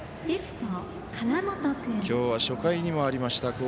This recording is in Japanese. きょうは初回にもありました。